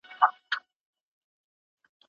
زه اوږده وخت ډوډۍ پخوم وم.